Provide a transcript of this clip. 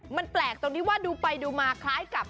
มันแปลกตรงที่ว่าดูไปดูมาคล้ายกับ